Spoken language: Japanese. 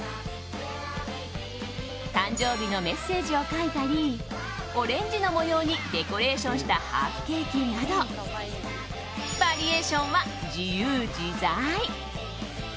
誕生日のメッセージを書いたりオレンジの模様にデコレーションしたハーフケーキなどバリエーションは自由自在。